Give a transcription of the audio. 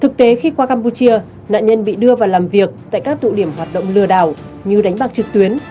thực tế khi qua campuchia nạn nhân bị đưa vào làm việc tại các tụ điểm hoạt động lừa đảo như đánh bạc trực tuyến